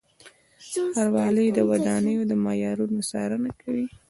ښاروالۍ د ودانیو د معیارونو څارنه کوي.